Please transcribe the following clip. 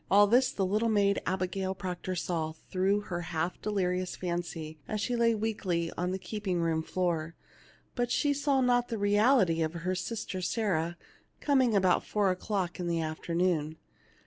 All this the little maid Abigail Proctor saw through her half delirious fancy as she lay weak ly on the keeping room floor, but she saw not the reality of her sister Sarah coming about four o'clock in the afternoon.